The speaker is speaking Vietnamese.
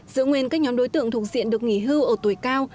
giữ nguyên các nhóm đối tượng thuộc diện được nghỉ hưu ở tuổi cao